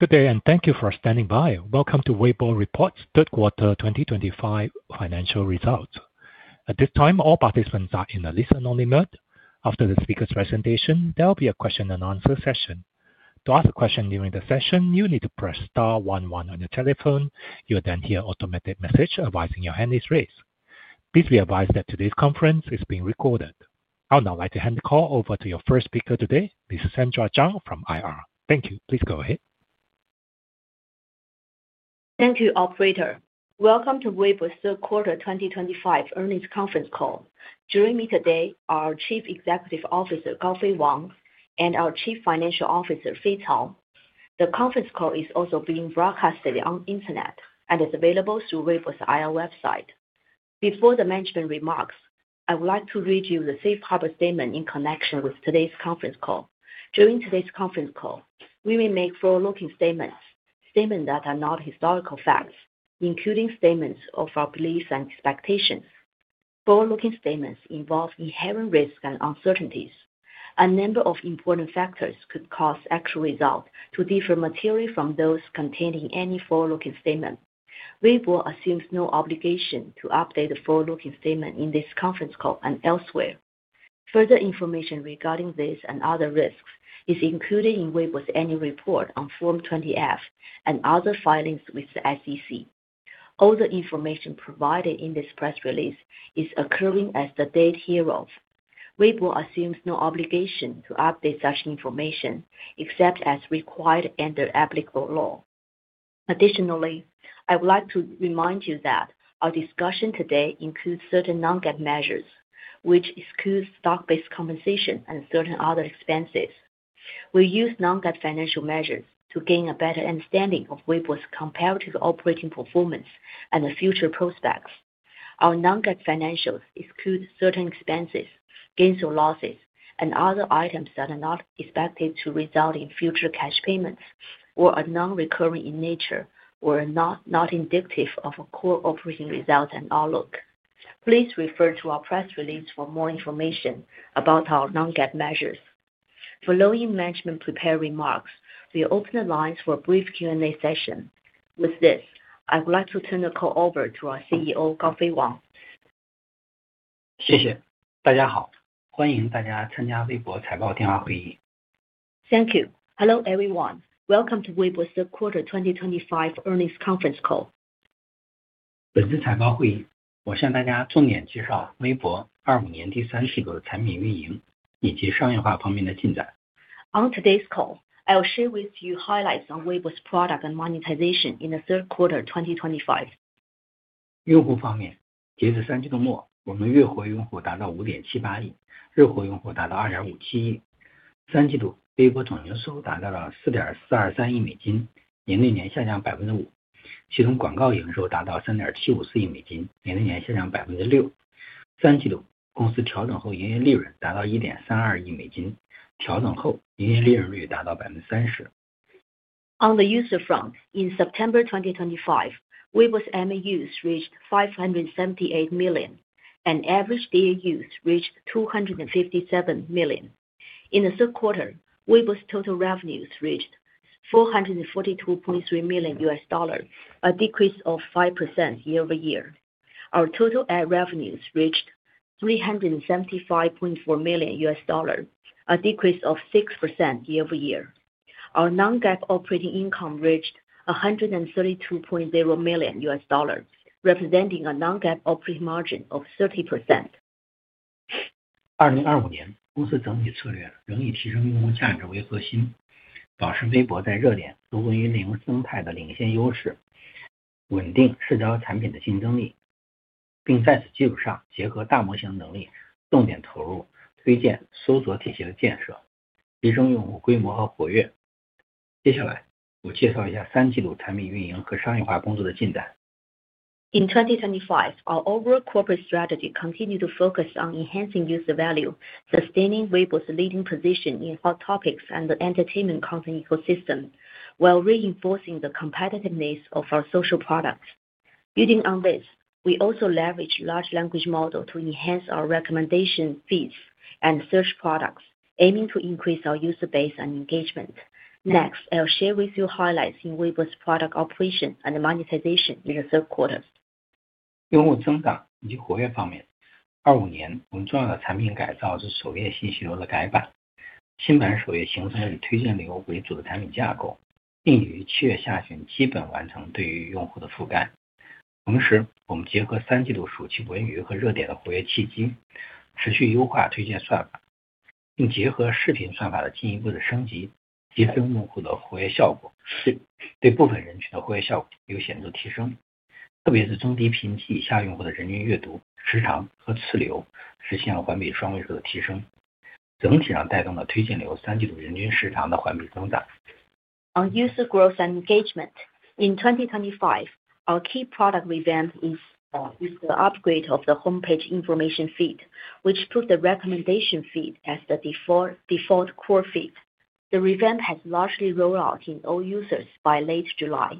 Good day, and thank you for standing by. Welcome to Weibo reports' third quarter 2025 financial results. At this time, all participants are in the listen-only mode. After the speaker's presentation, there will be a question-and-answer session. To ask a question during the session, you need to press star one one on your telephone. You will then hear an automated message advising your hand is raised. Please be advised that today's conference is being recorded. I would now like to hand the call over to your first speaker today. This is Sandra Zhang from IR. Thank you. Please go ahead. Thank you, Operator. Welcome to Weibo's third quarter 2025 earnings conference call. Joining me today are our Chief Executive Officer, Gaofei Wang, and our Chief Financial Officer, Fei Cao. The conference call is also being broadcasted on the internet and is available through Weibo's IR website. Before the management remarks, I would like to read you the Safe Harbor Statement in connection with today's conference call. During today's conference call, we will make forward-looking statements, statements that are not historical facts, including statements of our beliefs and expectations. Forward-looking statements involve inherent risks and uncertainties. A number of important factors could cause actual results to differ materially from those contained in any forward-looking statement. Weibo assumes no obligation to update the forward-looking statement in this conference call and elsewhere. Further information regarding this and other risks is included in Weibo's annual report on Form 20-F and other filings with the SEC. All the information provided in this press release is occurring as the date hereof. Weibo assumes no obligation to update such information except as required under applicable law. Additionally, I would like to remind you that our discussion today includes certain non-GAAP measures, which exclude stock-based compensation and certain other expenses. We use non-GAAP financial measures to gain a better understanding of Weibo's comparative operating performance and the future prospects. Our non-GAAP financials exclude certain expenses, gains or losses, and other items that are not expected to result in future cash payments or are non-recurring in nature or are not indicative of a core operating result and outlook. Please refer to our press release for more information about our non-GAAP measures. Following management prepared remarks, we open the lines for a brief Q&A session. With this, I would like to turn the call over to our CEO, Gaofei Wang. 谢谢。大家好，欢迎大家参加微博财报电话会议。Thank you. Hello everyone, welcome to Weibo's third quarter 2025 earnings conference call. 本次财报会议，我向大家重点介绍微博25年第三季度的产品运营，以及商业化方面的进展。On today's call, I will share with you highlights on Weibo's product and monetization in the third quarter 2025. 用户方面，截至三季度末，我们月活用户达到5.78亿，日活用户达到2.57亿。三季度微博总营收达到了4.423亿美金，年内年下降5%。其中广告营收达到3.754亿美金，年内年下降6%。三季度公司调整后营业利润达到1.32亿美金，调整后营业利润率达到30%。On the user front, in September 2025, Weibo's MAUs reached 578 million, and average daily use reached 257 million. In the third quarter, Weibo's total revenues reached $442.3 million, a decrease of 5% year over year. Our total ad revenues reached $375.4 million, a decrease of 6% year over year. Our non-GAAP operating income reached $132.0 million, representing a non-GAAP operating margin of 30%. 2025年，公司整体策略仍以提升用户价值为核心，保持微博在热点和微云运营生态的领先优势，稳定社交产品的竞争力，并在此基础上结合大模型能力，重点投入推荐搜索体系的建设，提升用户规模和活跃。接下来，我介绍一下三季度产品运营和商业化工作的进展。In 2025, our overall corporate strategy continues to focus on enhancing user value, sustaining Weibo's leading position in hot topics and the entertainment content ecosystem, while reinforcing the competitiveness of our social products. Building on this, we also leverage large language models to enhance our recommendation feeds and search products, aiming to increase our user base and engagement. Next, I'll share with you highlights in Weibo's product operation and monetization in the third quarter. 用户增长以及活跃方面，25年我们重要的产品改造是首页信息流的改版，新版首页形成以推荐流为主的产品架构，并已于7月下旬基本完成对于用户的覆盖。同时，我们结合三季度暑期文娱和热点的活跃契机，持续优化推荐算法，并结合视频算法的进一步升级，提升用户的活跃效果，对部分人群的活跃效果有显著提升，特别是中低频及以下用户的人均阅读时长和次流，实现了环比双位数的提升，整体上带动了推荐流三季度人均时长的环比增长。On user growth and engagement, in 2025, our key product revamp is the upgrade of the homepage information feed, which puts the recommendation feed as the default core feed. The revamp has largely rolled out in all users by late July.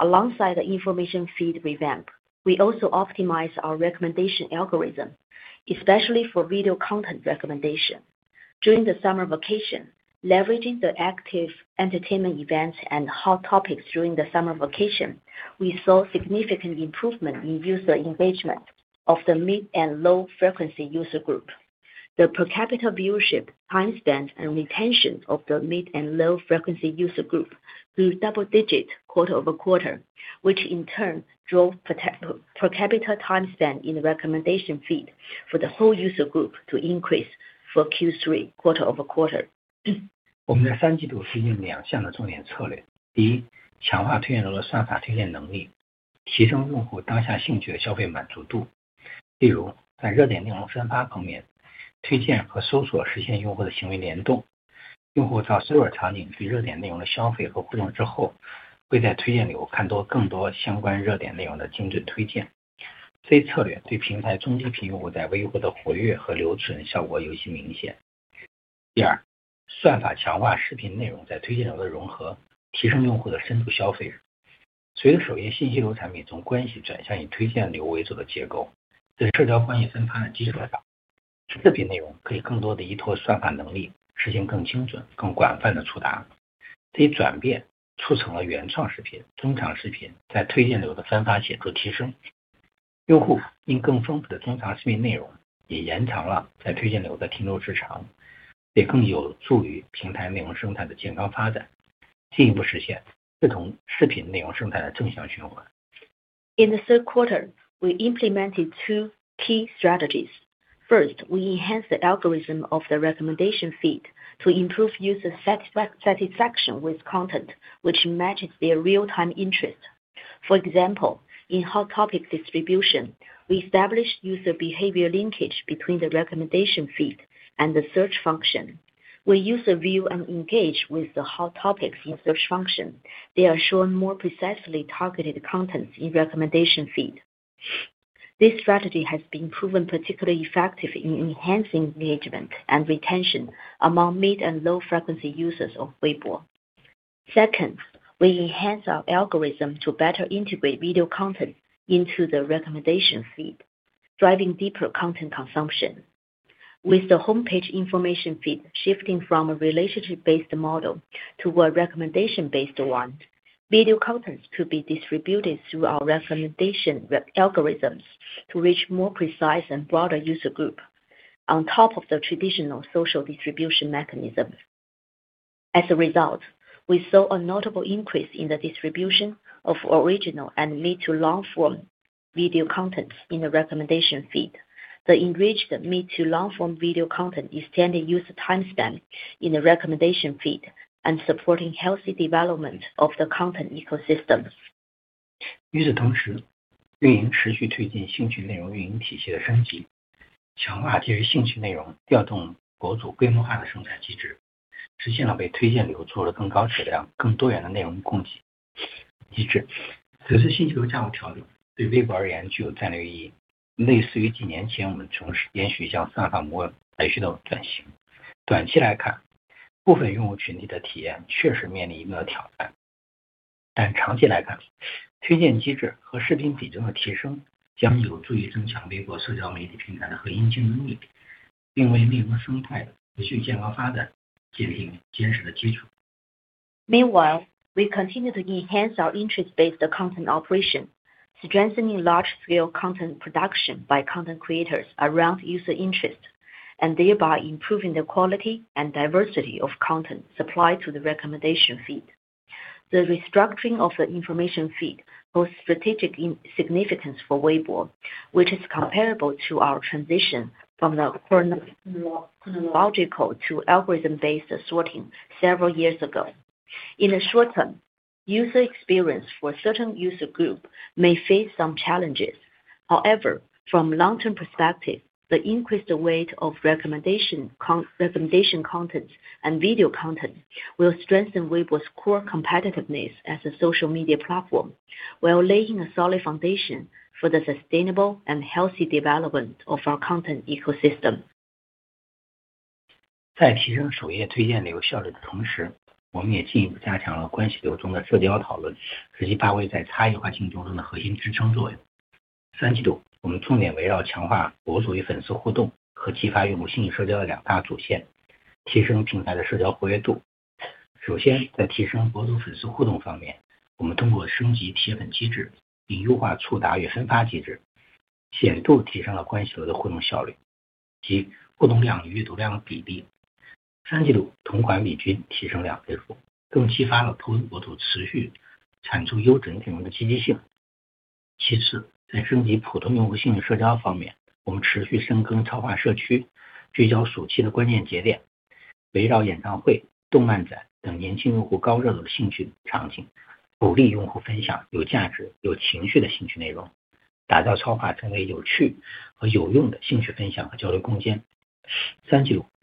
Alongside the information feed revamp, we also optimized our recommendation algorithm, especially for video content recommendation. During the summer vacation, leveraging the active entertainment events and hot topics during the summer vacation, we saw significant improvement in user engagement of the mid and low-frequency user group. The per capita viewership timespan and retention of the mid and low-frequency user group grew double-digit quarter over quarter, which in turn drove per capita timespan in the recommendation feed for the whole user group to increase for Q3 quarter over quarter. In the third quarter, we implemented two key strategies. First, we enhanced the algorithm of the recommendation feed to improve user satisfaction with content, which matches their real-time interest. For example, in hot topic distribution, we established user behavior linkage between the recommendation feed and the search function. When users view and engage with the hot topics in search function, they are shown more precisely targeted contents in the recommendation feed. This strategy has been proven particularly effective in enhancing engagement and retention among mid and low-frequency users of Weibo. Second, we enhanced our algorithm to better integrate video content into the recommendation feed, driving deeper content consumption. With the homepage information feed shifting from a relationship-based model to a recommendation-based one, video content could be distributed through our recommendation algorithms to reach more precise and broader user groups, on top of the traditional social distribution mechanism. As a result, we saw a notable increase in the distribution of original and mid to long-form video contents in the recommendation feed. The enriched mid to long-form video content is extending user timespan in the recommendation feed and supporting healthy development of the content ecosystem. 与此同时，运营持续推进兴趣内容运营体系的升级，强化基于兴趣内容调动博主规模化的生产机制，实现了被推荐流做出更高质量、更多元的内容供给机制。此次信息流价格调整对微博而言具有战略意义，类似于几年前我们从延续向算法模板采取的转型。短期来看，部分用户群体的体验确实面临一定的挑战，但长期来看，推荐机制和视频比重的提升将有助于增强微博社交媒体平台的核心竞争力，并为内容生态的持续健康发展建立坚实的基础。Meanwhile, we continue to enhance our interest-based content operation, strengthening large-scale content production by content creators around user interests, and thereby improving the quality and diversity of content supplied to the recommendation feed. The restructuring of the information feed holds strategic significance for Weibo, which is comparable to our transition from the chronological to algorithm-based sorting several years ago. In the short term, user experience for a certain user group may face some challenges. However, from a long-term perspective, the increased weight of recommendation content and video content will strengthen Weibo's core competitiveness as a social media platform, while laying a solid foundation for the sustainable and healthy development of our content ecosystem.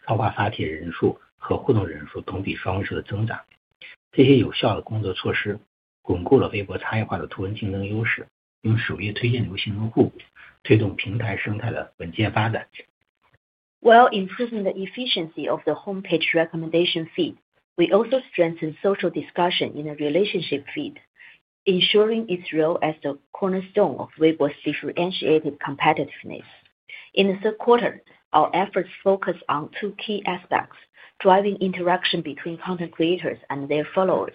While improving the efficiency of the homepage recommendation feed, we also strengthen social discussion in the relationship feed, ensuring its role as the cornerstone of Weibo's differentiated competitiveness. In the third quarter, our efforts focus on two key aspects: driving interaction between content creators and their followers,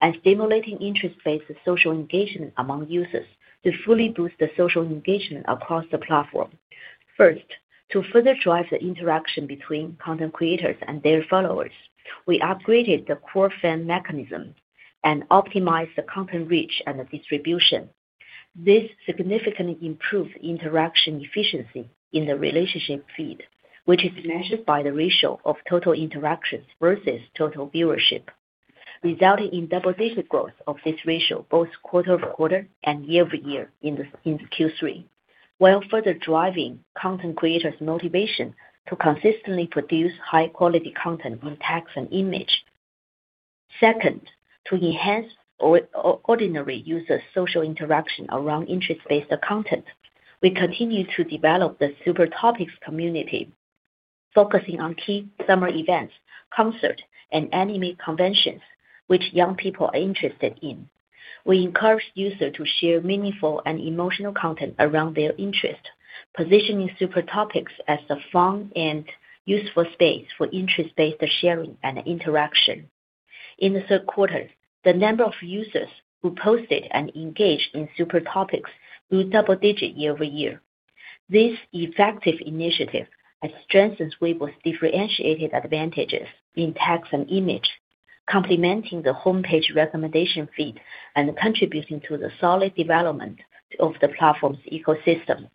and stimulating interest-based social engagement among users to fully boost the social engagement across the platform. First, to further drive the interaction between content creators and their followers, we upgraded the core fan mechanism and optimized the content reach and the distribution. This significantly improved interaction efficiency in the relationship feed, which is measured by the ratio of total interactions versus total viewership, resulting in double-digit growth of this ratio both quarter over quarter and year over year in Q3, while further driving content creators' motivation to consistently produce high-quality content in text and image. Second, to enhance ordinary users' social interaction around interest-based content, we continue to develop the super topics community, focusing on key summer events, concerts, and anime conventions, which young people are interested in. We encourage users to share meaningful and emotional content around their interest, positioning super topics as a fun and useful space for interest-based sharing and interaction. In the third quarter, the number of users who posted and engaged in super topics grew double-digit year over year. This effective initiative has strengthened Weibo's differentiated advantages in text and image, complementing the homepage recommendation feed and contributing to the solid development of the platform's ecosystem.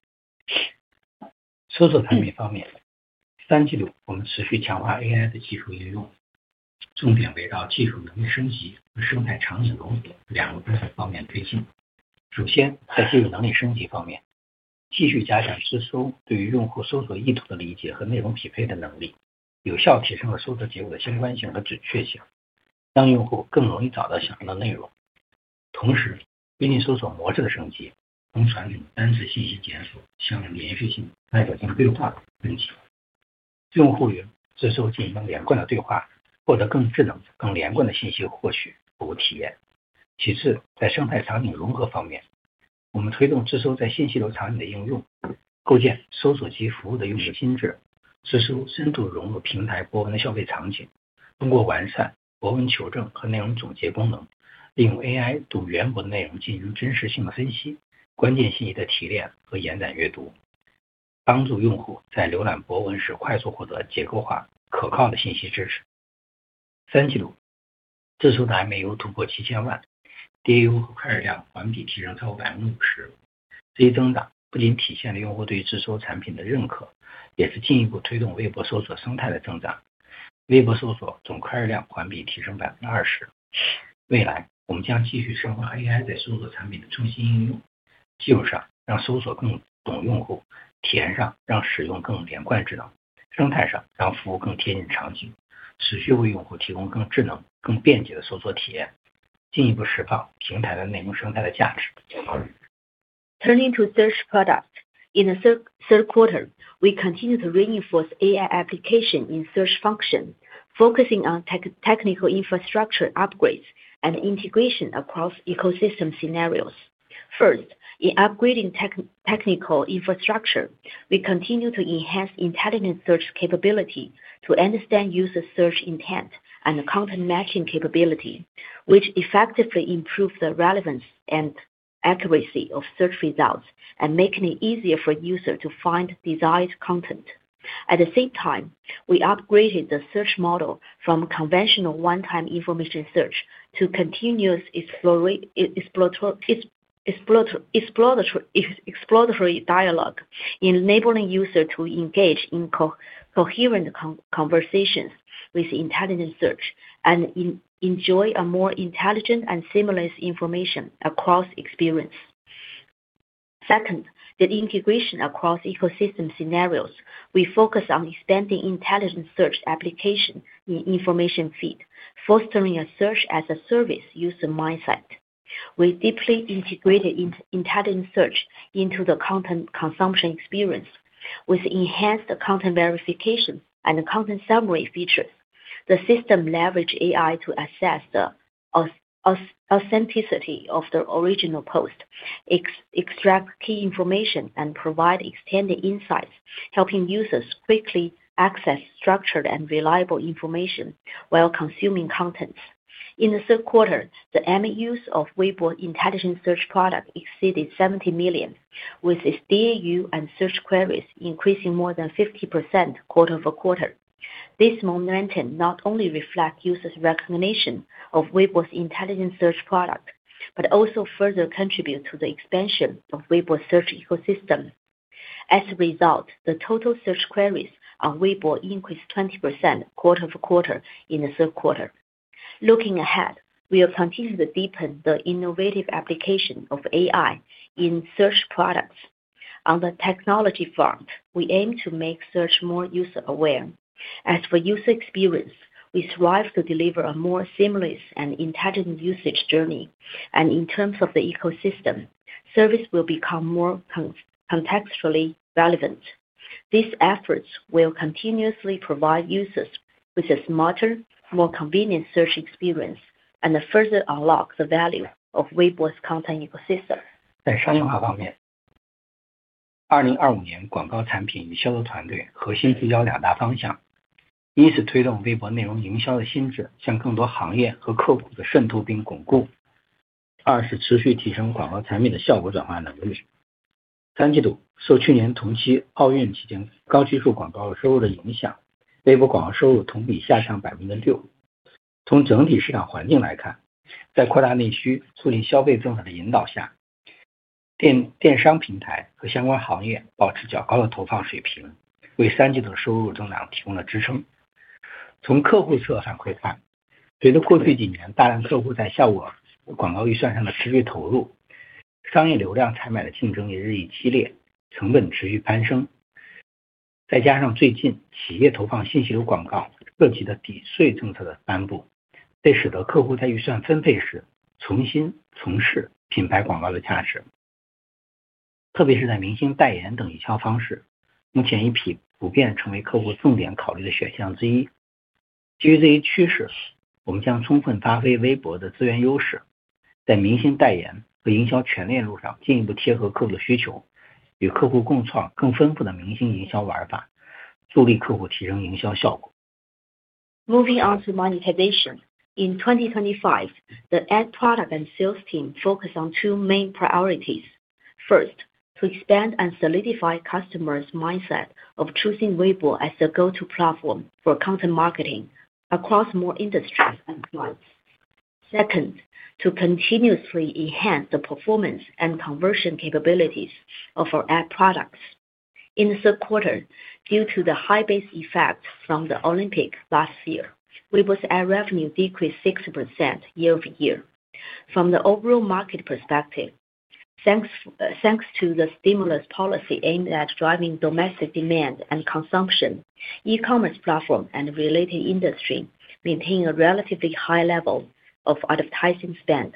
Turning to search products, in the third quarter, we continue to reinforce AI application in search function, focusing on technical infrastructure upgrades and integration across ecosystem scenarios. First, in upgrading technical infrastructure, we continue to enhance intelligent search capability to understand user search intent and content matching capability, which effectively improves the relevance and accuracy of search results and makes it easier for users to find desired content. At the same time, we upgraded the search model from conventional one-time information search to continuous exploratory dialogue, enabling users to engage in coherent conversations with intelligent search and enjoy a more intelligent and seamless information across experience. Second, the integration across ecosystem scenarios, we focus on expanding intelligent search application in information feed, fostering a search-as-a-service user mindset. We deeply integrated intelligent search into the content consumption experience with enhanced content verification and content summary features. The system leverages AI to assess the authenticity of the original post, extract key information, and provide extended insights, helping users quickly access structured and reliable information while consuming contents. In the third quarter, the MAUs of Weibo intelligent search product exceeded 70 million, with its DAU and search queries increasing more than 50% quarter over quarter. This momentum not only reflects users' recognition of Weibo's intelligent search product, but also further contributes to the expansion of Weibo's search ecosystem. As a result, the total search queries on Weibo increased 20% quarter over quarter in the third quarter. Looking ahead, we will continue to deepen the innovative application of AI in search products. On the technology front, we aim to make search more user-aware. As for user experience, we strive to deliver a more seamless and intelligent usage journey, and in terms of the ecosystem, service will become more contextually relevant. These efforts will continuously provide users with a smarter, more convenient search experience and further unlock the value of Weibo's content ecosystem. Moving on to monetization, in 2025, the ad product and sales team focus on two main priorities. First, to expand and solidify customers' mindset of choosing Weibo as the go-to platform for content marketing across more industries and clients. Second, to continuously enhance the performance and conversion capabilities of our ad products. In the third quarter, due to the high base effect from the Olympics last year, Weibo's ad revenue decreased 6% year over year. From the overall market perspective, thanks to the stimulus policy aimed at driving domestic demand and consumption, e-commerce platforms and related industries maintained a relatively high level of advertising spend,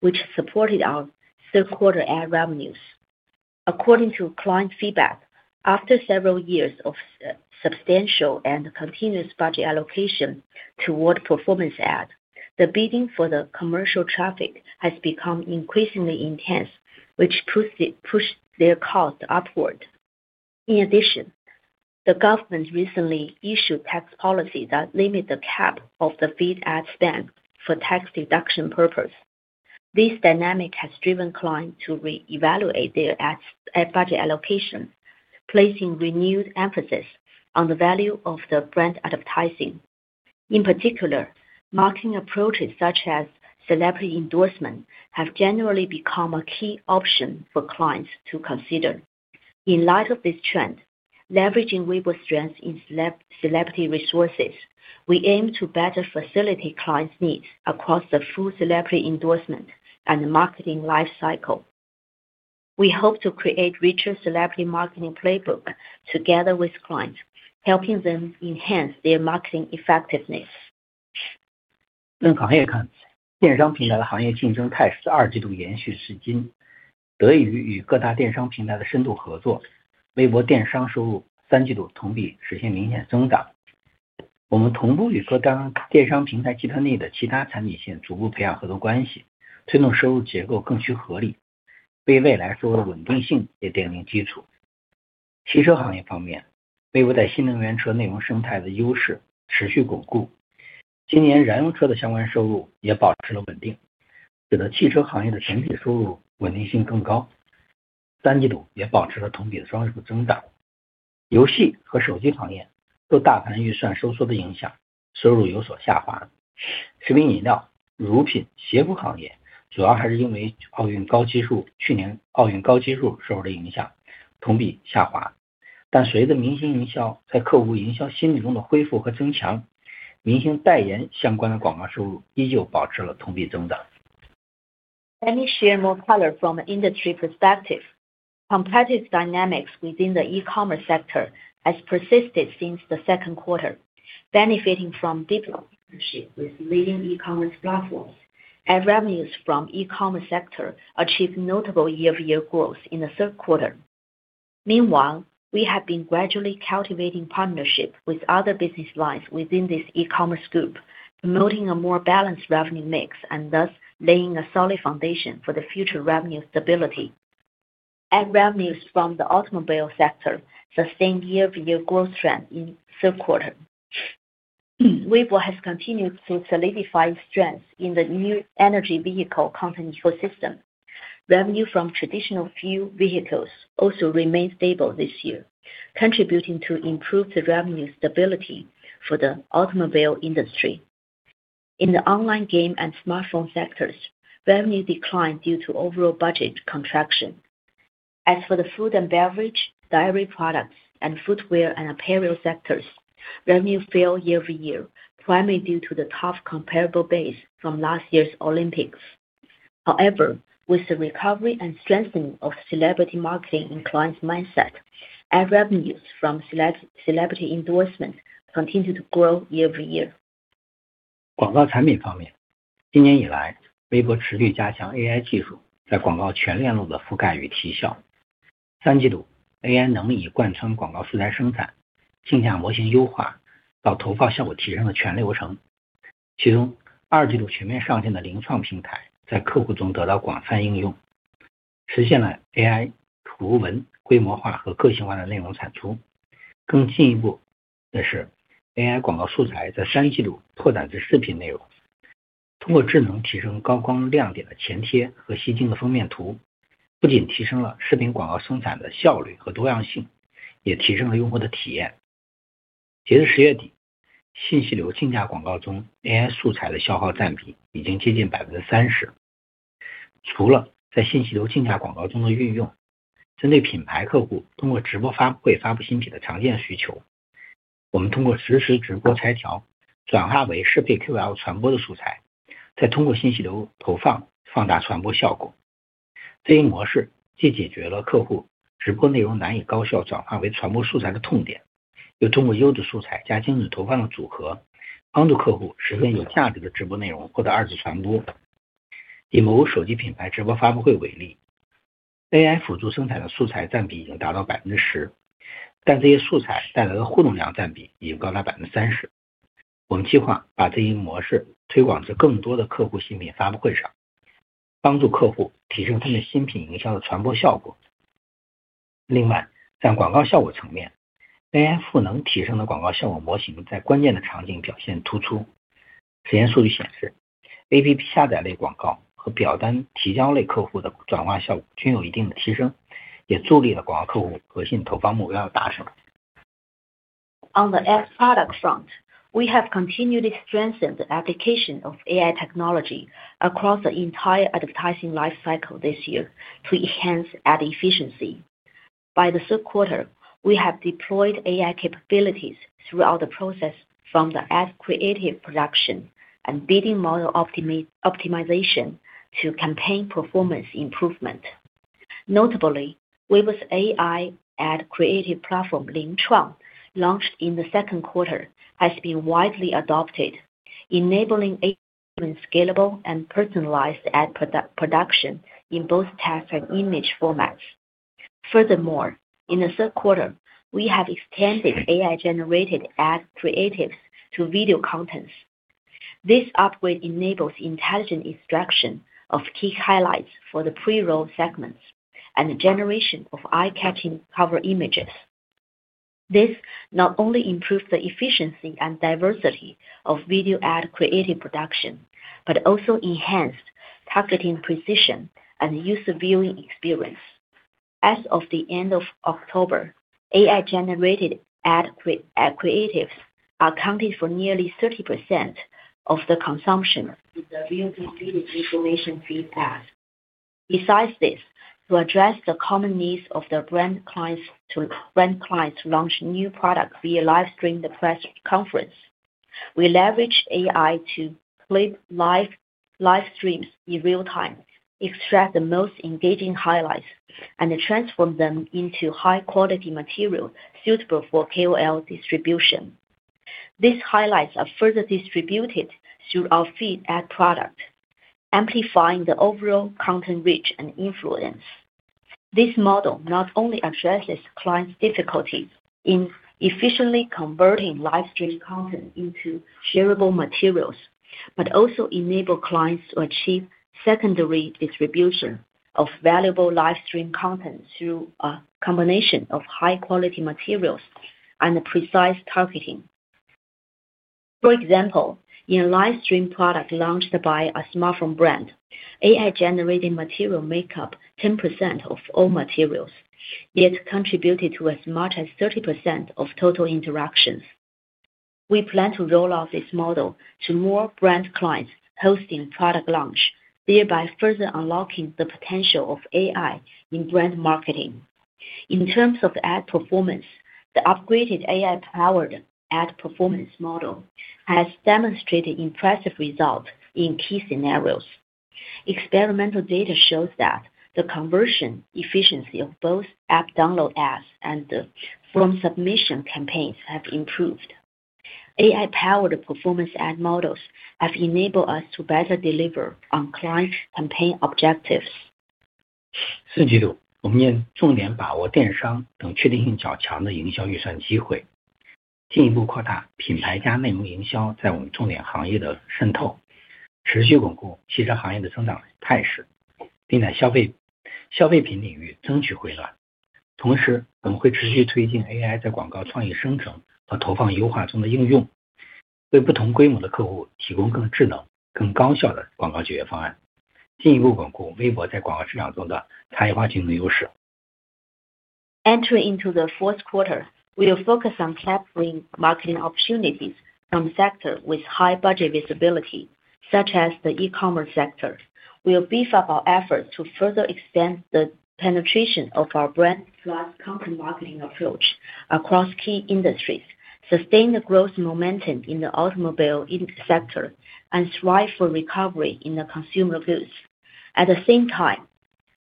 which supported our third quarter ad revenues. According to client feedback, after several years of substantial and continuous budget allocation toward performance ads, the bidding for the commercial traffic has become increasingly intense, which pushed their cost upward. In addition, the government recently issued tax policies that limit the cap of the feed ad spend for tax deduction purposes. This dynamic has driven clients to reevaluate their ad budget allocation, placing renewed emphasis on the value of the brand advertising. In particular, marketing approaches such as celebrity endorsement have generally become a key option for clients to consider. In light of this trend, leveraging Weibo's strengths in celebrity resources, we aim to better facilitate clients' needs across the full celebrity endorsement and marketing lifecycle. We hope to create a richer celebrity marketing playbook together with clients, helping them enhance their marketing effectiveness. Let me share more color from an industry perspective. Competitive dynamics within the e-commerce sector have persisted since the second quarter, benefiting from deep partnerships with leading e-commerce platforms. Ad revenues from the e-commerce sector achieved notable year-over-year growth in the third quarter. Meanwhile, we have been gradually cultivating partnerships with other business lines within this e-commerce group, promoting a more balanced revenue mix and thus laying a solid foundation for the future revenue stability. Ad revenues from the automobile sector sustained year-over-year growth trends in the third quarter. Weibo has continued to solidify its strengths in the new energy vehicle content ecosystem. Revenue from traditional fuel vehicles also remained stable this year, contributing to improved revenue stability for the automobile industry. In the online game and smartphone sectors, revenue declined due to overall budget contraction. As for the food and beverage, dairy products, and footwear and apparel sectors, revenue fell year-over-year, primarily due to the tough comparable base from last year's Olympics. However, with the recovery and strengthening of celebrity marketing in clients' mindset, ad revenues from celebrity endorsement continued to grow year-over-year. On the ad product front, we have continued to strengthen the application of AI technology across the entire advertising lifecycle this year to enhance ad efficiency. By the third quarter, we have deployed AI capabilities throughout the process, from the ad creative production and bidding model optimization to campaign performance improvement. Notably, Weibo's AI ad creative platform, Lingchuang, launched in the second quarter, has been widely adopted, enabling even scalable and personalized ad production in both text and image formats. Furthermore, in the third quarter, we have extended AI-generated ad creatives to video contents. This upgrade enables intelligent extraction of key highlights for the pre-roll segments and the generation of eye-catching cover images. This not only improves the efficiency and diversity of video ad creative production, but also enhances targeting precision and user viewing experience. As of the end of October, AI-generated ad creatives accounted for nearly 30% of the consumption in the real-time video information feed. Besides this, to address the common needs of brand clients to launch new products via livestream press conference, we leverage AI to play livestreams in real time, extract the most engaging highlights, and transform them into high-quality material suitable for KOL distribution. These highlights are further distributed through our feed ad product, amplifying the overall content reach and influence. This model not only addresses clients' difficulties in efficiently converting livestream content into shareable materials, but also enables clients to achieve secondary distribution of valuable livestream content through a combination of high-quality materials and precise targeting. For example, in a livestream product launched by a smartphone brand, AI-generated material made up 10% of all materials, yet contributed to as much as 30% of total interactions. We plan to roll out this model to more brand clients hosting product launch, thereby further unlocking the potential of AI in brand marketing. In terms of ad performance, the upgraded AI-powered ad performance model has demonstrated impressive results in key scenarios. Experimental data shows that the conversion efficiency of both app download ads and the form submission campaigns have improved. AI-powered performance ad models have enabled us to better deliver on client campaign objectives. 四季度，我们面重点把握电商等确定性较强的营销预算机会，进一步扩大品牌加内容营销在我们重点行业的渗透，持续巩固汽车行业的增长态势，并在消费品领域争取回暖。同时，我们会持续推进AI在广告创意生成和投放优化中的应用，为不同规模的客户提供更智能、更高效的广告解决方案，进一步巩固微博在广告市场中的差异化竞争优势。Entering into the fourth quarter, we will focus on capturing marketing opportunities from sectors with high budget visibility, such as the e-commerce sector. We will beef up our efforts to further extend the penetration of our brand plus content marketing approach across key industries, sustain the growth momentum in the automobile sector, and strive for recovery in the consumer goods. At the same time,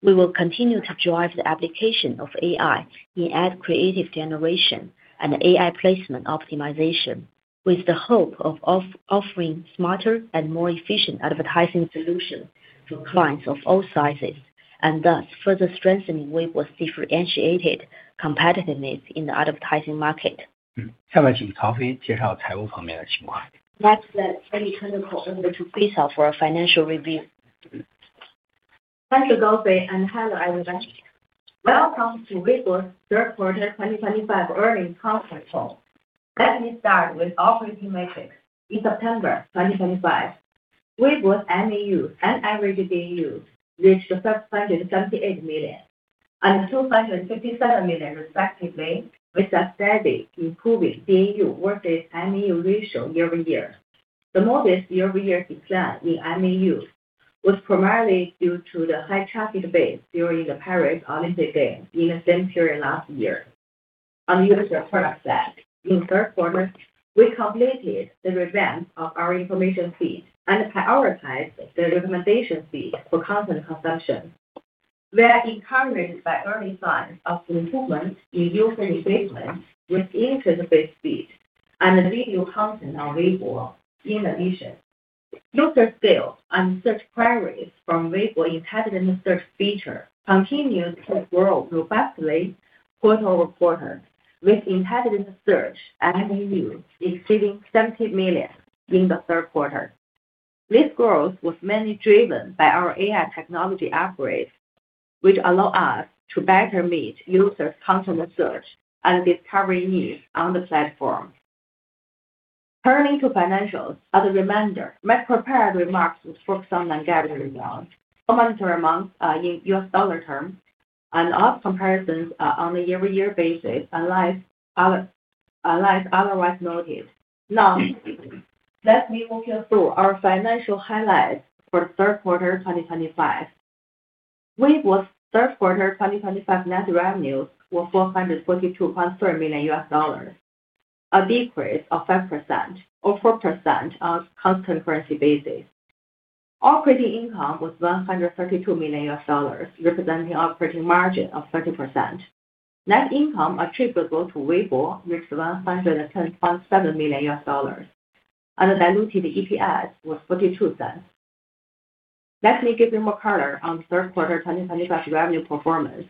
we will continue to drive the application of AI in ad creative generation and AI placement optimization, with the hope of offering smarter and more efficient advertising solutions for clients of all sizes, and thus further strengthening Weibo's differentiated competitiveness in the advertising market. 下面请曹飞介绍财务方面的情况。Next, let's turn the corner over to Fei Cao for a financial review. Thank you, Gaofei Wang, and hello, everybody. Welcome to Weibo's third quarter 2025 earnings conference call. Let me start with operating metrics. In September 2025, Weibo's MAU and average DAU reached 278 million and 257 million, respectively, with a steady improving DAU versus MAU ratio year-over-year. The modest year-over-year decline in MAU was primarily due to the high traffic base during the Paris Olympic Games in the same period last year. On the user product side, in the third quarter, we completed the revamp of our information feed and prioritized the recommendation feed for content consumption. We are encouraged by early signs of improvement in user engagement with interface feed and video content on Weibo. In addition, user scale and search queries from Weibo's intelligent search feature continued to grow robustly quarter over quarter, with intelligent search and MAU exceeding 70 million in the third quarter. This growth was mainly driven by our AI technology upgrades, which allow us to better meet users' content search and discovery needs on the platform. Turning to financials, as a reminder, my prepared remarks would focus on non-GAAP rounds, common terms in US dollar terms, and of comparisons on a year-over-year basis unless otherwise noted. Now, let me walk you through our financial highlights for the third quarter 2025. Weibo's third quarter 2025 net revenues were $442.3 million, a decrease of 5% or 4% on a constant currency basis. Operating income was $132 million, representing an operating margin of 30%. Net income attributable to Weibo reached $110.7 million, and the diluted EPS was $0.42. Let me give you more color on the third quarter 2025 revenue performance.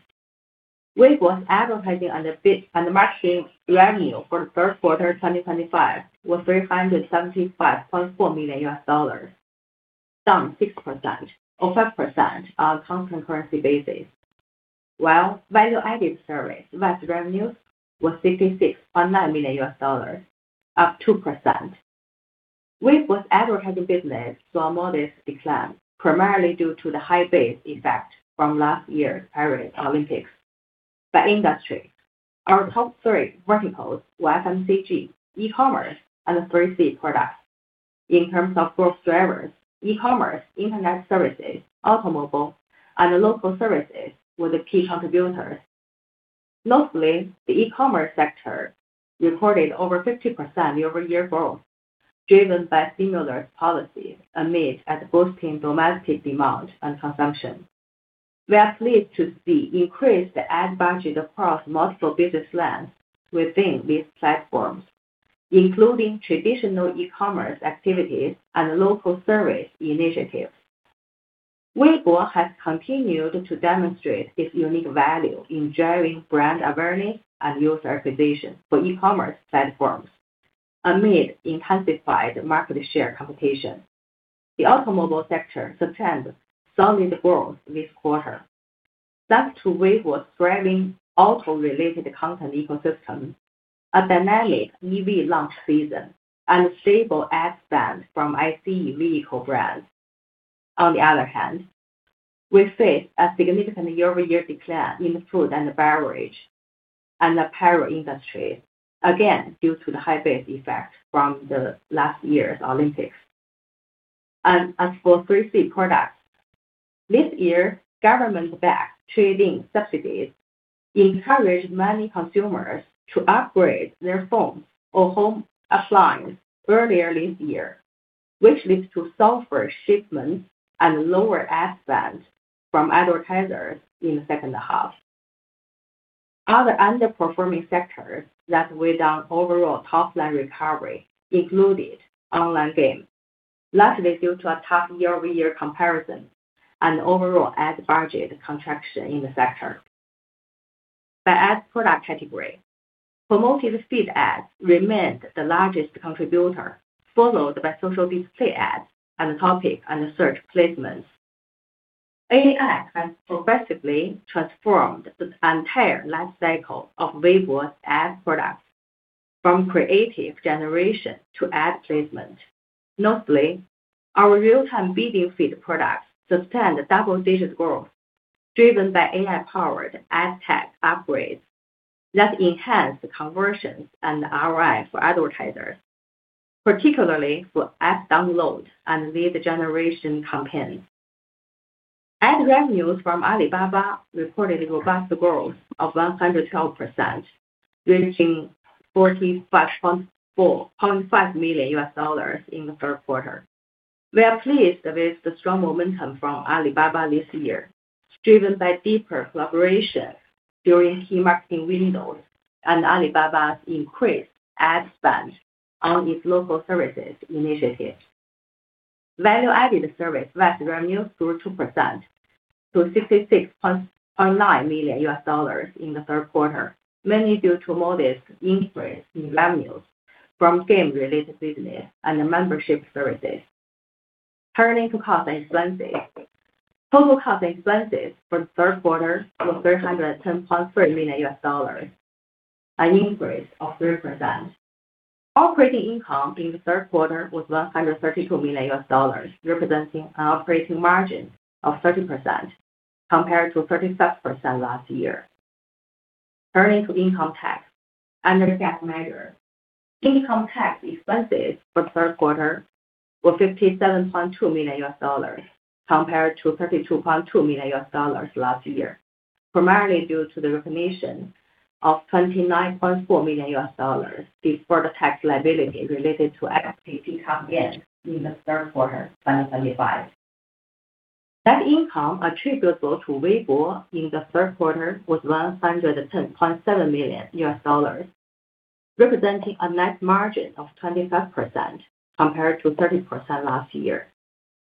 Weibo's advertising and marketing revenue for the third quarter 2025 was $375.4 million, down 6% or 5% on constant currency basis, while value-added service revenues were $66.9 million, up 2%. Weibo's advertising business saw a modest decline, primarily due to the high base effect from last year's Paris Olympics. By industry, our top three verticals were FMCG, e-commerce, and the 3C products. In terms of growth drivers, e-commerce, internet services, automobile, and local services were the key contributors. Notably, the e-commerce sector recorded over 50% year-over-year growth, driven by stimulus policies amid and boosting domestic demand and consumption. We are pleased to see increased ad budget across multiple business lines within these platforms, including traditional e-commerce activities and local service initiatives. Weibo has continued to demonstrate its unique value in driving brand awareness and user acquisition for e-commerce platforms amid intensified market share competition. The automobile sector sustained solid growth this quarter, thanks to Weibo's thriving auto-related content ecosystem, a dynamic EV launch season, and a stable ad spend from ICE vehicle brands. On the other hand, we face a significant year-over-year decline in food and beverage and the apparel industries, again due to the high base effect from the last year's Olympics. As for 3C products, this year, government-backed trading subsidies encouraged many consumers to upgrade their phones or home appliances earlier this year, which led to softer shipments and lower ad spend from advertisers in the second half. Other underperforming sectors that weighed down overall top-line recovery included online games, largely due to a tough year-over-year comparison and overall ad budget contraction in the sector. By ad product category, promoted feed ads remained the largest contributor, followed by social display ads and topic and search placements. AI has progressively transformed the entire lifecycle of Weibo's ad products, from creative generation to ad placement. Notably, our real-time bidding feed products sustained double-digit growth, driven by AI-powered ad tech upgrades that enhanced conversions and ROI for advertisers, particularly for ad download and lead generation campaigns. Ad revenues from Alibaba reported a robust growth of 112%, reaching $45.5 million in the third quarter. We are pleased with the strong momentum from Alibaba this year, driven by deeper collaboration during key marketing windows and Alibaba's increased ad spend on its local services initiatives. Value-added service revenues grew 2% to $66.9 million in the third quarter, mainly due to modest increase in revenues from game-related business and membership services. Turning to cost expenses, total cost expenses for the third quarter were $310.3 million, an increase of 3%. Operating income in the third quarter was $132 million, representing an operating margin of 30% compared to 36% last year. Turning to income tax and ad tax measures, income tax expenses for the third quarter were $57.2 million, compared to $32.2 million last year, primarily due to the recognition of $29.4 million before the tax liability related to FPG comp gain in the third quarter 2025. Net income attributable to Weibo in the third quarter was $110.7 million, representing a net margin of 25% compared to 30% last year,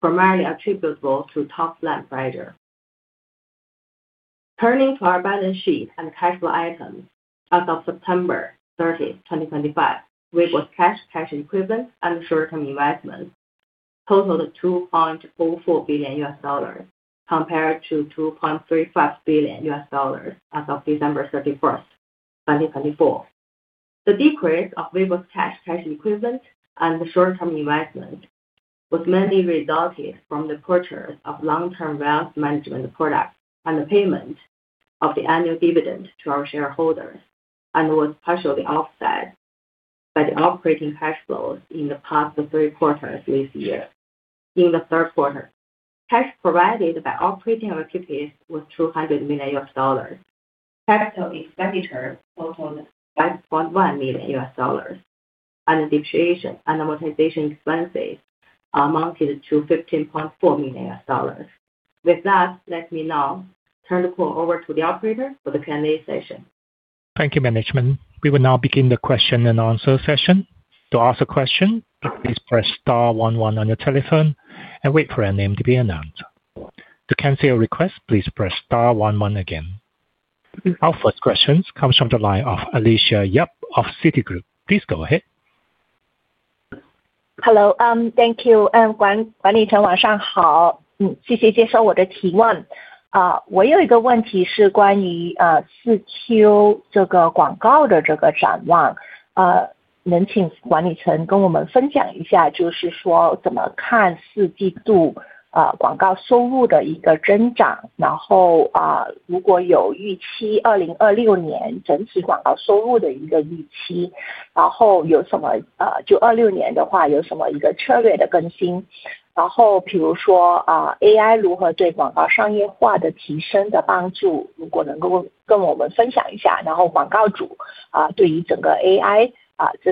primarily attributable to top-line pressure. Turning to our balance sheet and cash flow items, as of September 30, 2025, Weibo's cash, cash equivalent, and short-term investments totaled $2.04 billion, compared to $2.35 billion as of December 31, 2024. The decrease of Weibo's cash, cash equivalent, and short-term investment was mainly resulted from the purchase of long-term wealth management products and the payment of the annual dividend to our shareholders, and was partially offset by the operating cash flows in the past three quarters this year. In the third quarter, cash provided by operating activities was $200 million. Capital expenditure totaled $5.1 million, and depreciation and amortization expenses amounted to $15.4 million. With that, let me now turn the call over to the operator for the Q&A session. Thank you, Management. We will now begin the question and answer session. To ask a question, please press star one one on your telephone and wait for your name to be announced. To cancel your request, please press star one one again. Our first question comes from the line of Alicia Yap of Citigroup. Please go ahead. Hello, thank you, Thanks,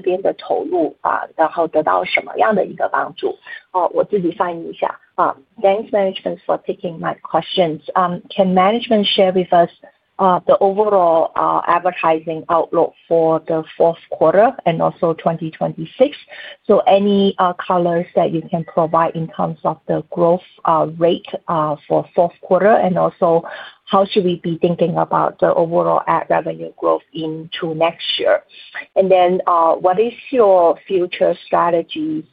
Management, for taking my questions. Can Management share with us the overall advertising outlook for the fourth quarter and also 2026? Any colors that you can provide in terms of the growth rate for fourth quarter, and also how should we be thinking about the overall ad revenue growth into next year? What is your future strategy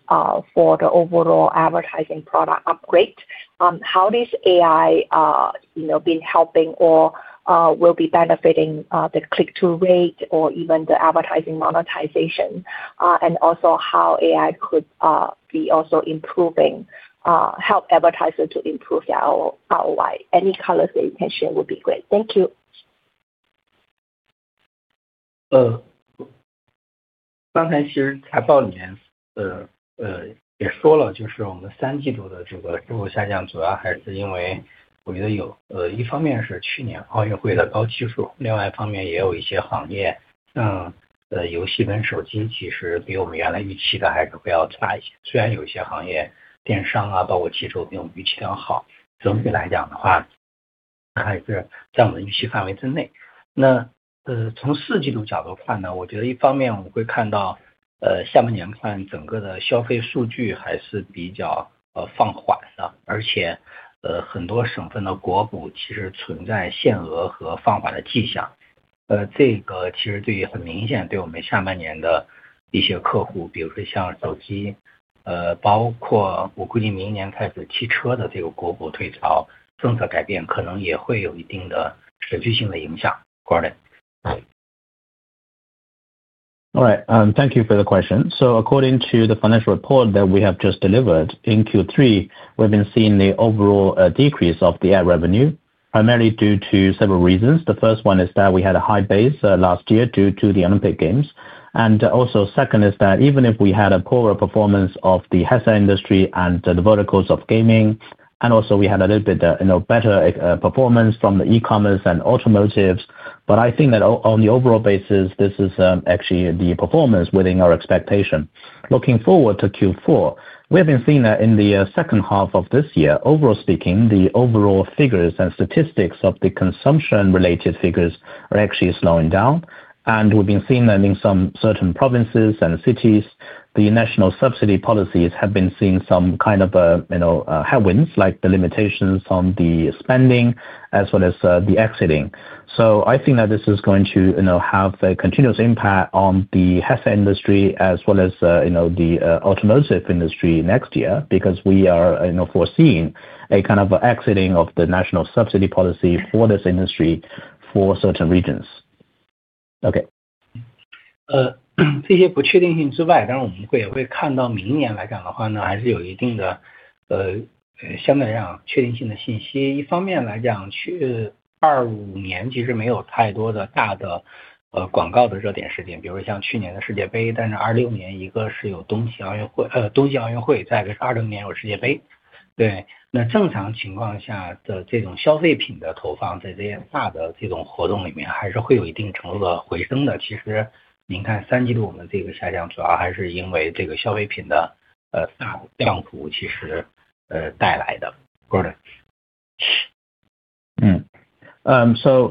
for the overall advertising product upgrade? How is AI been helping or will be benefiting the click-through rate or even the advertising monetization? Also, how AI could be also improving, help advertisers to improve their ROI? Any colors that you can share would be great. Thank you. Got it. All right. Thank you for the question. So according to the financial report that we have just delivered in Q3, we've been seeing the overall decrease of the ad revenue, primarily due to several reasons. The first one is that we had a high base last year due to the Olympic Games. The second is that even if we had a poorer performance of the headset industry and the verticals of gaming, and also we had a little bit better performance from the e-commerce and automotives, I think that on the overall basis, this is actually the performance within our expectation. Looking forward to Q4, we have been seeing that in the second half of this year, overall speaking, the overall figures and statistics of the consumption-related figures are actually slowing down. We have been seeing that in some certain provinces and cities, the national subsidy policies have been seeing some kind of headwinds, like the limitations on the spending as well as the exiting. I think that this is going to have a continuous impact on the headset industry as well as the automotive industry next year because we are foreseeing a kind of exiting of the national subsidy policy for this industry for certain regions. Okay. Got it.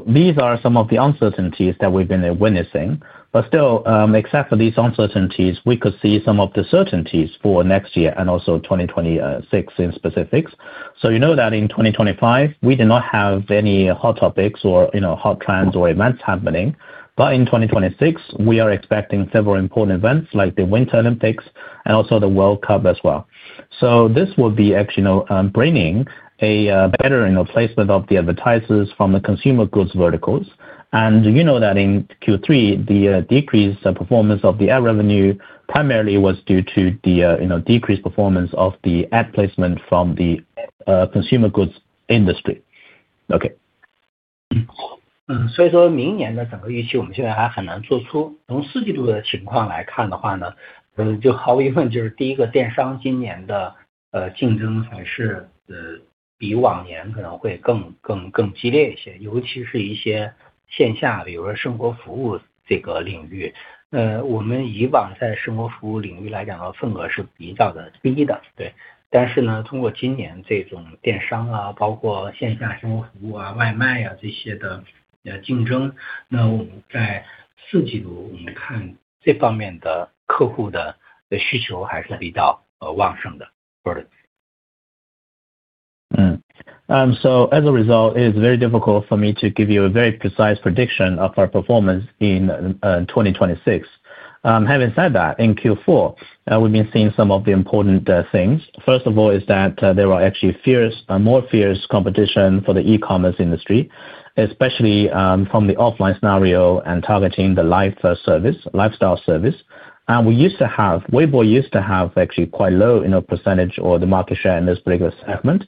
These are some of the uncertainties that we've been witnessing. Still, except for these uncertainties, we could see some of the certainties for next year and also 2026 in specifics. You know that in 2025, we did not have any hot topics or hot trends or events happening. In 2026, we are expecting several important events like the Winter Olympics and also the World Cup as well. This will actually bring a better placement of the advertisers from the consumer goods verticals. You know that in Q3, the decreased performance of the ad revenue primarily was due to the decreased performance of the ad placement from the consumer goods industry. Okay. Got it. As a result, it is very difficult for me to give you a very precise prediction of our performance in 2026. Having said that, in Q4, we've been seeing some of the important things. First of all is that there is actually more fierce competition for the e-commerce industry, especially from the offline scenario and targeting the lifestyle service. Weibo used to have actually quite low percentage or the market share in this particular segment.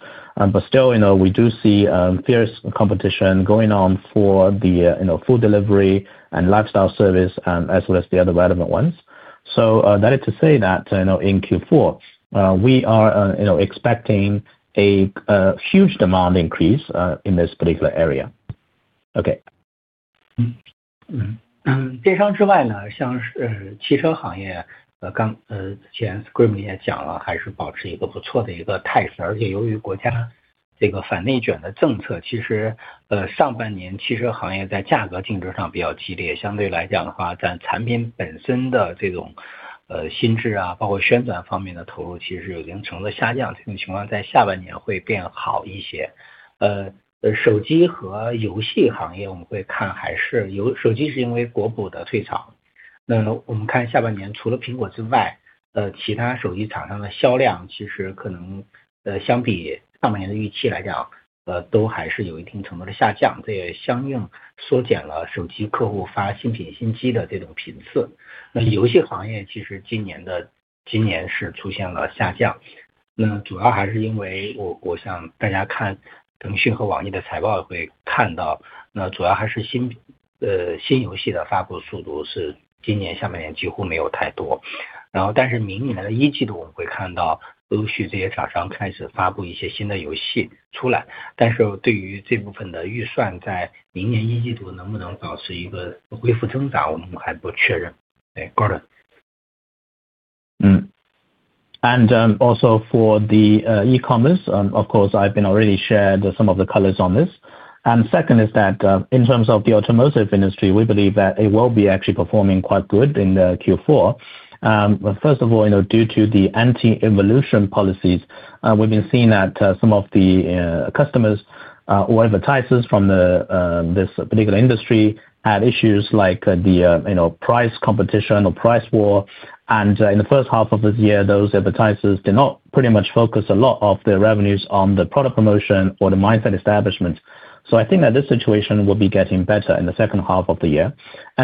Still, we do see fierce competition going on for the food delivery and lifestyle service as well as the other relevant ones. That is to say that in Q4, we are expecting a huge demand increase in this particular area. Okay. 电商之外像是汽车行业，刚之前Scream也讲了，还是保持一个不错的一个态势。而且由于国家反内卷的政策，其实上半年汽车行业在价格竞争上比较激烈。相对来讲的话，在产品本身的这种心智，包括宣传方面的投入其实已经成了下降。这种情况在下半年会变好一些。手机和游戏行业我们会看还是有手机是因为国补的退场。我们看下半年除了苹果之外，其他手机厂商的销量其实可能相比上半年的预期来讲，都还是有一定程度的下降。这也相应缩减了手机客户发新品新机的这种频次。游戏行业其实今年的今年是出现了下降。主要还是因为我想大家看腾讯和网易的财报会看到，主要还是新游戏的发布速度是今年下半年几乎没有太多。然后但是明年的一季度我们会看到陆续这些厂商开始发布一些新的游戏出来。但是对于这部分的预算在明年一季度能不能保持一个恢复增长，我们还不确认。对，Gordon。Also, for the e-commerce, of course, I've already shared some of the colors on this. Second is that in terms of the automotive industry, we believe that it will be actually performing quite good in Q4. First of all, due to the anti-evolution policies, we've been seeing that some of the customers or advertisers from this particular industry had issues like the price competition or price war. In the first half of this year, those advertisers did not pretty much focus a lot of their revenues on the product promotion or the mindset establishment. I think that this situation will be getting better in the second half of the year.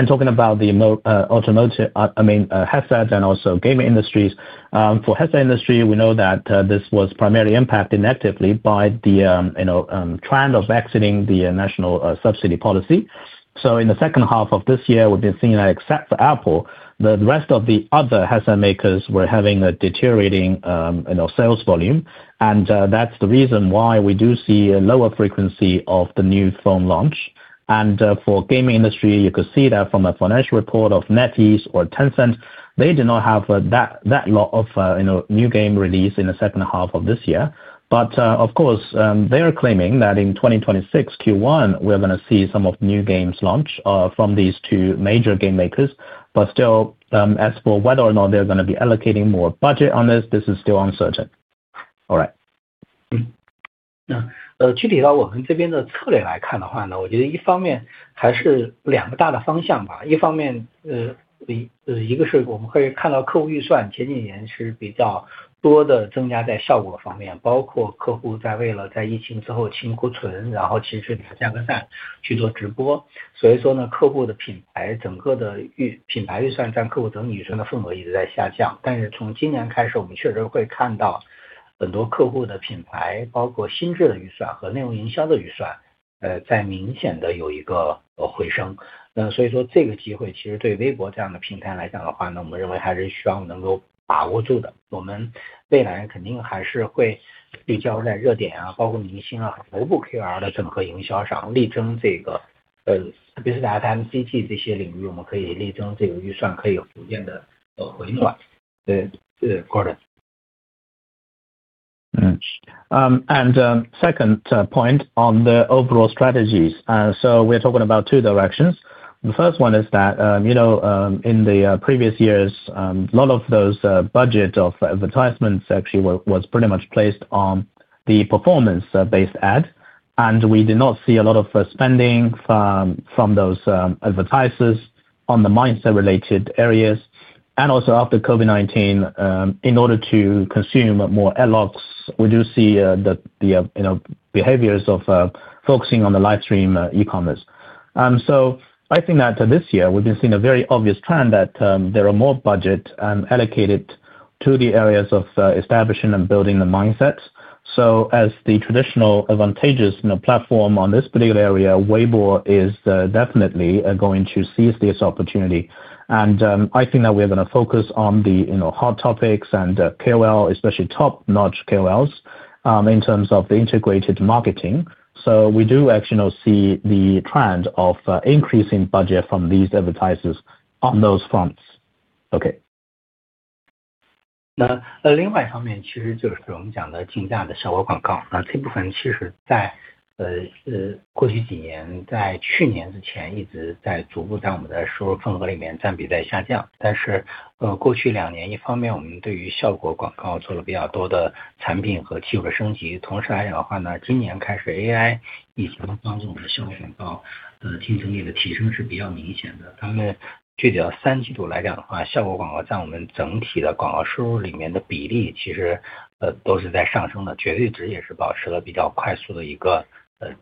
Talking about the automotive, I mean, headset and also gaming industries, for headset industry, we know that this was primarily impacted negatively by the trend of exiting the national subsidy policy. In the second half of this year, we've been seeing that except for Apple, the rest of the other headset makers were having a deteriorating sales volume. That's the reason why we do see a lower frequency of the new phone launch. For gaming industry, you could see that from a financial report of NetEase or Tencent, they did not have that lot of new game release in the second half of this year. Of course, they are claiming that in 2026 Q1, we're going to see some of new games launch from these two major game makers. Still, as for whether or not they're going to be allocating more budget on this, this is still uncertain. All right. 具体到我们这边的策略来看的话，我觉得一方面还是两个大的方向。一方面，一个是我们会看到客户预算前几年是比较多的增加在效果方面，包括客户在为了在疫情之后清库存，然后其实是拿价格战去做直播。所以说客户的品牌整个的品牌预算占客户整体预算的份额一直在下降。但是从今年开始，我们确实会看到很多客户的品牌，包括心智的预算和内容营销的预算在明显的有一个回升。所以说这个机会其实对微博这样的平台来讲的话，我们认为还是需要能够把握住的。我们未来肯定还是会聚焦在热点，包括明星和国补KR的整合营销上，力争这个，特别是FMCG这些领域，我们可以力争这个预算可以有逐渐的回暖。对，Gordon。Second point on the overall strategies, we are talking about two directions. The first one is that in the previous years, a lot of those budgets of advertisements actually was pretty much placed on the performance-based ad. We did not see a lot of spending from those advertisers on the mindset-related areas. Also, after COVID-19, in order to consume more ad locks, we do see the behaviors of focusing on the livestream e-commerce. I think that this year we have been seeing a very obvious trend that there are more budgets allocated to the areas of establishing and building the mindset. As the traditional advantageous platform on this particular area, Weibo is definitely going to seize this opportunity. I think that we are going to focus on the hot topics and KOL, especially top-notch KOLs in terms of the integrated marketing. We do actually see the trend of increasing budget from these advertisers on those fronts. Okay. 另外一方面其实就是我们讲的竞价的效果广告。这部分其实在过去几年，在去年之前一直在逐步在我们的收入份额里面占比在下降。但是过去两年一方面我们对于效果广告做了比较多的产品和技术的升级。同时来讲的话，今年开始AI以及帮助我们的效果广告的竞争力的提升是比较明显的。咱们具体到三季度来讲的话，效果广告占我们整体的广告收入里面的比例其实都是在上升的，绝对值也是保持了比较快速的一个增长。这一方面来自于我们本身的一些流量，包括和我们产品策略的调整。另一方面也是来自于AI技术在这方面的应用。我们自己看对于未来，就明年来讲的话，效果广告可能还是保持着一个增长。对，Gordon。The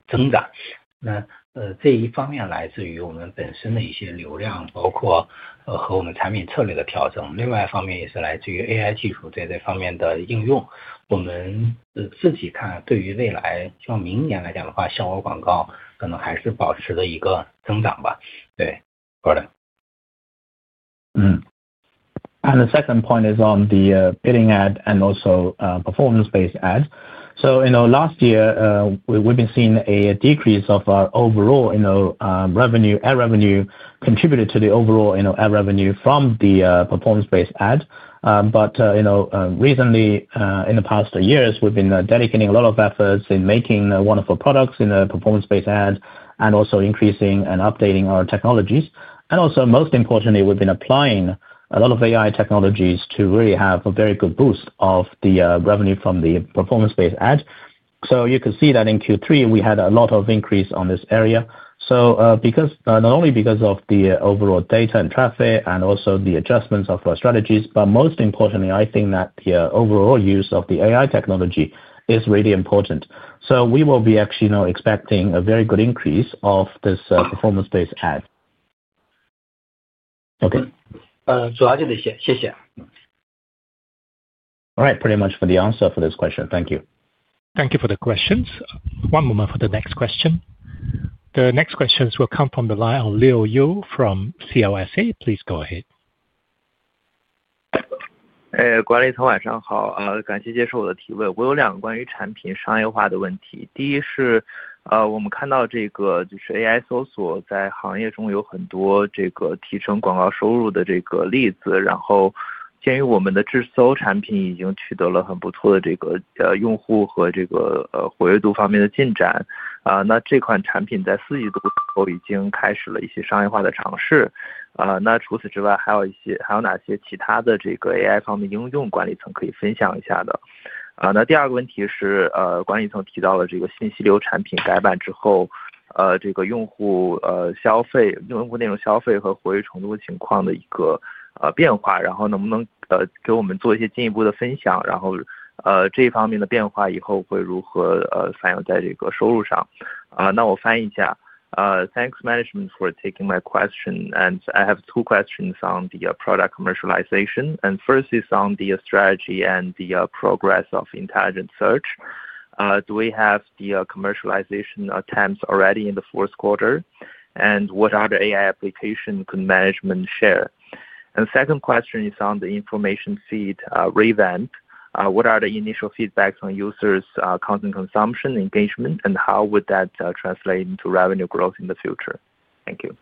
second point is on the bidding ad and also performance-based ad. Last year, we've been seeing a decrease of overall revenue, ad revenue contributed to the overall ad revenue from the performance-based ad. Recently, in the past years, we've been dedicating a lot of efforts in making wonderful products in the performance-based ad and also increasing and updating our technologies. Most importantly, we've been applying a lot of AI technologies to really have a very good boost of the revenue from the performance-based ad. You could see that in Q3, we had a lot of increase on this area. Not only because of the overall data and traffic and also the adjustments of our strategies, but most importantly, I think that the overall use of the AI technology is really important. We will be actually expecting a very good increase of this performance-based ad. Okay. 主要就这些，谢谢。All right, pretty much for the answer for this question. Thank you. Thank you for the questions. One moment for the next question. The next questions will come from the line of Liu Yu from CLSA. Please go ahead. revenue going forward? Let me translate. Thanks, management, for taking my question. I have two questions on the product commercialization. First is on the strategy and the progress of intelligent search. Do we have the commercialization attempts already in the fourth quarter? What are the AI application could management share? Second question is on the information feed re-event. What are the initial feedbacks on users' content consumption engagement, and how would that translate into revenue growth in the future? Thank you.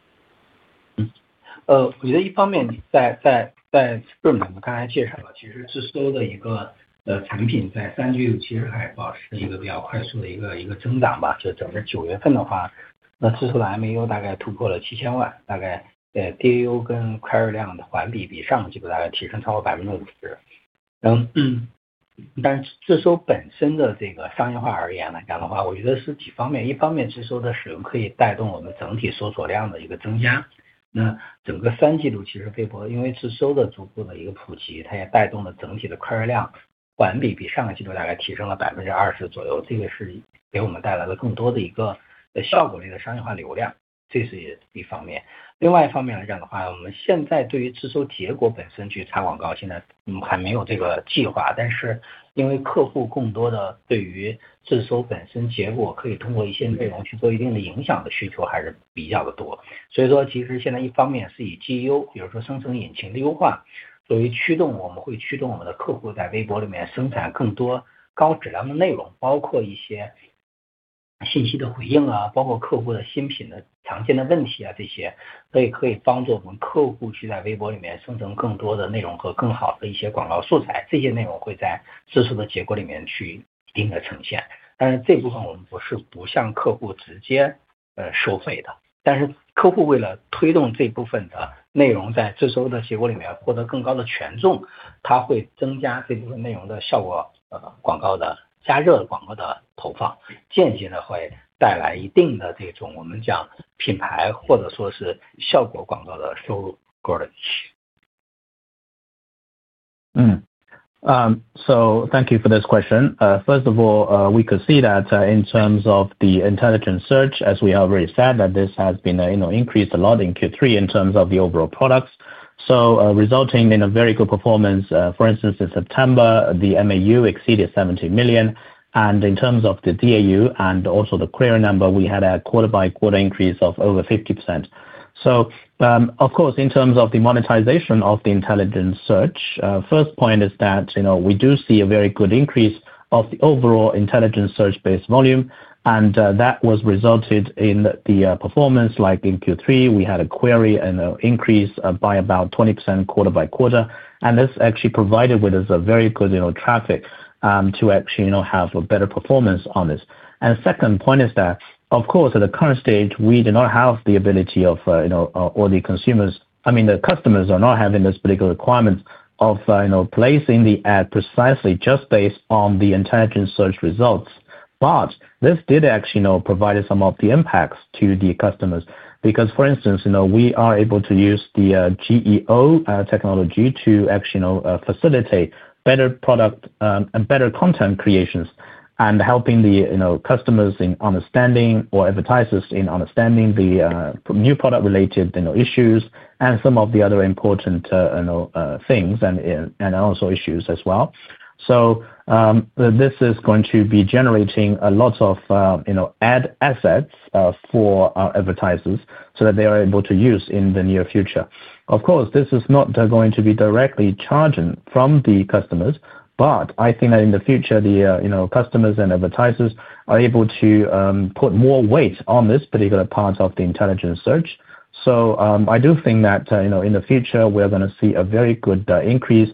Thank you for this question. First of all, we could see that in terms of the intelligent search, as we have already said, this has been increased a lot in Q3 in terms of the overall products, resulting in a very good performance. For instance, in September, the MAU exceeded 70 million. In terms of the DAU and also the query number, we had a quarter-by-quarter increase of over 50%. Of course, in terms of the monetization of the intelligent search, the first point is that we do see a very good increase of the overall intelligent search-based volume. That resulted in the performance like in Q3, we had a query increase by about 20% quarter-by-quarter. This actually provided us with very good traffic to actually have a better performance on this. The second point is that, of course, at the current stage, we do not have the ability of all the consumers, I mean, the customers are not having this particular requirement of placing the ad precisely just based on the intelligent search results. This did actually provide some of the impacts to the customers. For instance, we are able to use the GEO technology to actually facilitate better product and better content creations and helping the customers in understanding or advertisers in understanding the new product-related issues and some of the other important things and also issues as well. This is going to be generating a lot of ad assets for advertisers so that they are able to use in the near future. Of course, this is not going to be directly charging from the customers, but I think that in the future, the customers and advertisers are able to put more weight on this particular part of the intelligent search. I do think that in the future, we are going to see a very good increase,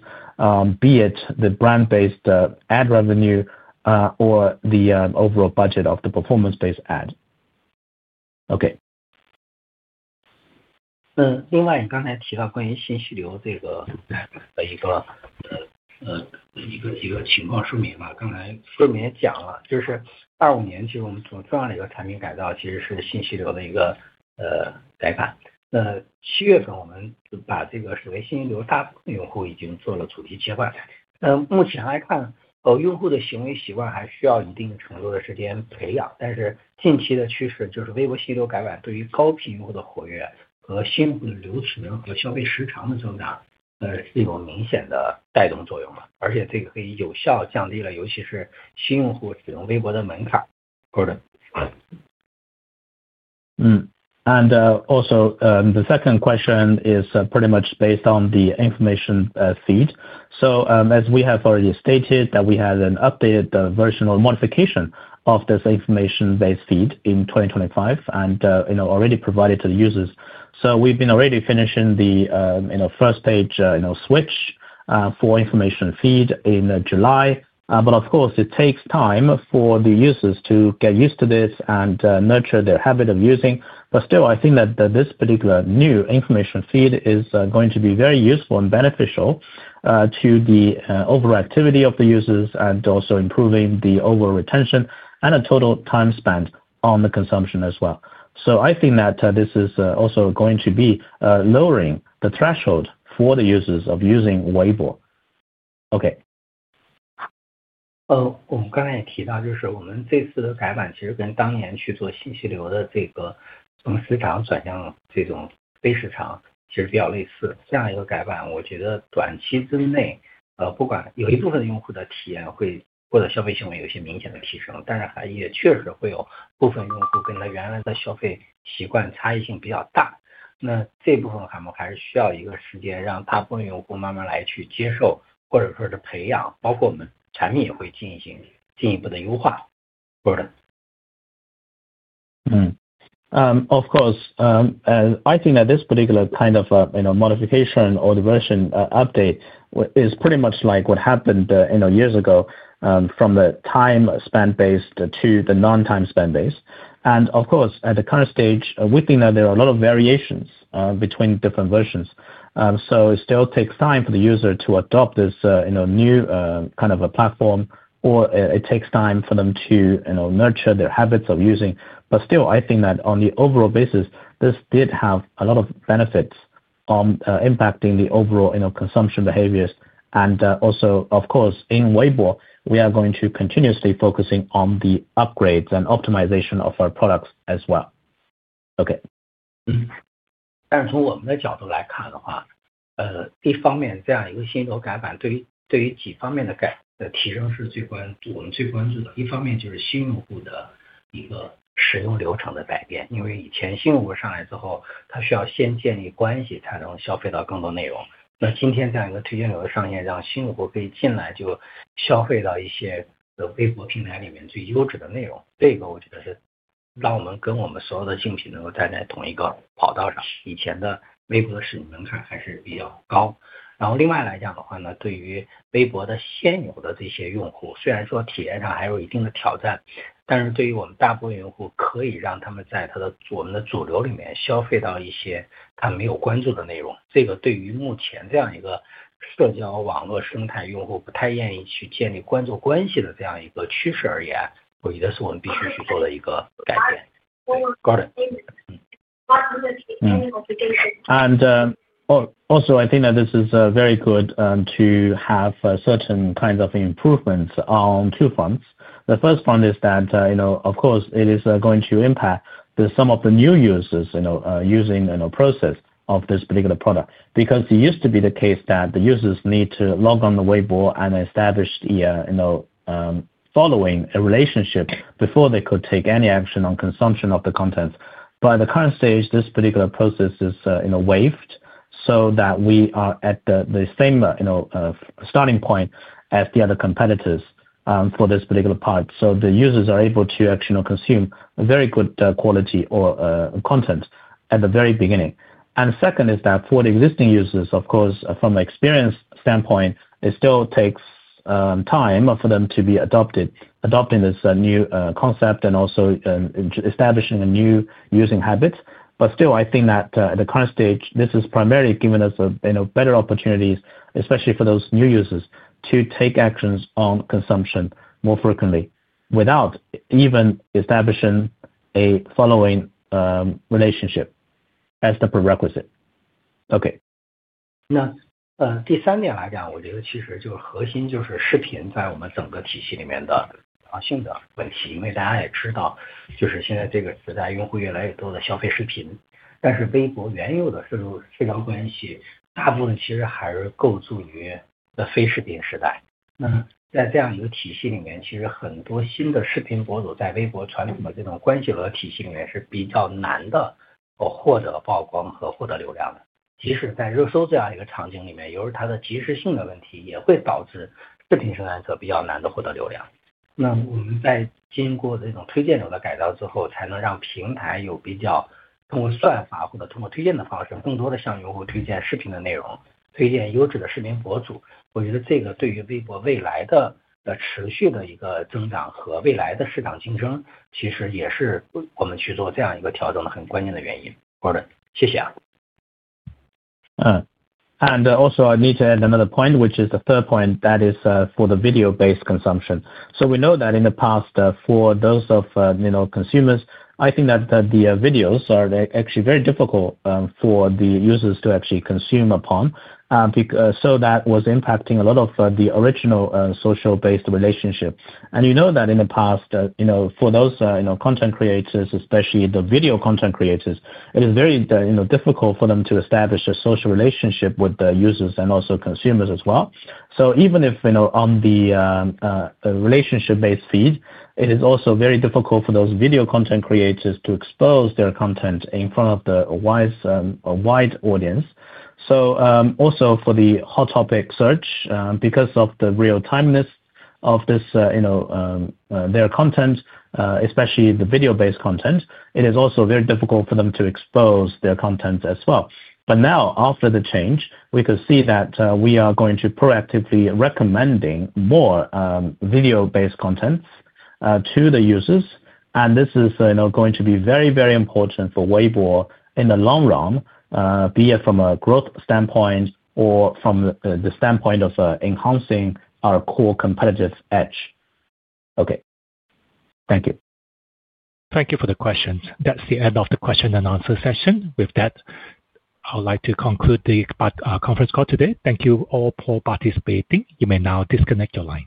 be it the brand-based ad revenue or the overall budget of the performance-based ad. Okay. Also, the second question is pretty much based on the information feed. As we have already stated, we had an updated version or modification of this information-based feed in 2025 and already provided to the users. We have already finished the first page switch for information feed in July. Of course, it takes time for the users to get used to this and nurture their habit of using. Still, I think that this particular new information feed is going to be very useful and beneficial to the overall activity of the users and also improving the overall retention and the total time spent on the consumption as well. I think that this is also going to be lowering the threshold for the users of using Weibo. Okay. Of course, I think that this particular kind of modification or the version update is pretty much like what happened years ago from the time span-based to the non-time span-based. At the current stage, we think that there are a lot of variations between different versions. It still takes time for the user to adopt this new kind of a platform, or it takes time for them to nurture their habits of using. I think that on the overall basis, this did have a lot of benefits on impacting the overall consumption behaviors. Also, in Weibo, we are going to continuously focus on the upgrades and optimization of our products as well. Okay. I think that this is very good to have certain kinds of improvements on two fronts. The first front is that, of course, it is going to impact some of the new users using the process of this particular product. Because it used to be the case that the users need to log on the Weibo and establish a following relationship before they could take any action on consumption of the content. At the current stage, this particular process is waived so that we are at the same starting point as the other competitors for this particular part. The users are able to actually consume very good quality or content at the very beginning. Second is that for the existing users, of course, from an experience standpoint, it still takes time for them to be adopted in this new concept and also establishing a new using habit. Still, I think that at the current stage, this has primarily given us better opportunities, especially for those new users, to take actions on consumption more frequently without even establishing a following relationship as the prerequisite. Okay. Gordon，谢谢。I need to add another point, which is the third point, that is for the video-based consumption. We know that in the past, for those consumers, I think that the videos are actually very difficult for the users to actually consume upon. That was impacting a lot of the original social-based relationship. You know that in the past, for those content creators, especially the video content creators, it is very difficult for them to establish a social relationship with the users and also consumers as well. Even if on the relationship-based feed, it is also very difficult for those video content creators to expose their content in front of the wide audience. Also for the hot topic search, because of the real-timeness of their content, especially the video-based content, it is also very difficult for them to expose their content as well. Now, after the change, we can see that we are going to proactively recommend more video-based content to the users. This is going to be very, very important for Weibo in the long run, be it from a growth standpoint or from the standpoint of enhancing our core competitive edge. Okay. Thank you. Thank you for the questions. That is the end of the question and answer session. With that, I would like to conclude the conference call today. Thank you all for participating. You may now disconnect your lines.